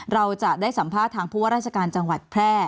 เราจะได้สัมภาษณ์ทางผู้ว่าราชการจังหวัดแพร่